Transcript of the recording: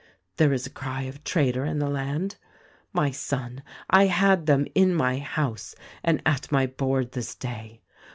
"There is a cry of Traitor in the land. "My son, I had them in my house and at my board this day.